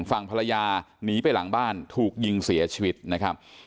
ฝั่งภรรยาหนีไปหลังบ้านถูกยิงเสียชีวิตนะครับ